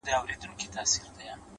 چي له بې ميني ژونده;